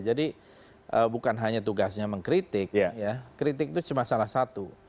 jadi bukan hanya tugasnya mengkritik ya kritik itu cuma salah satu